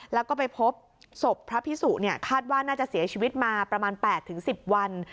แล้วก็ไปพบศพพระพิสุคาดว่าน่าจะเสียชีวิตมาประมาณ๘๑๐วัน